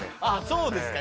そうですか。